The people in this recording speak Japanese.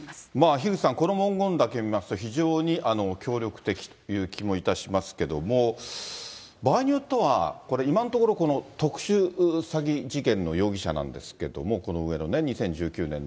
樋口さん、この文言だけ見ますと、非常に協力的という気もいたしますけれども、場合によっては今のところ、特殊詐欺事件の容疑者なんですけども、この上のね、２０１９年の。